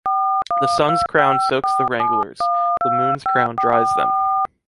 The sun’s crown soaks the wranglers, the moon’s crown dries them.